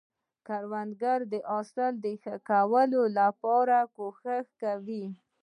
کروندګر د حاصل د ښه والي لپاره کوښښ کوي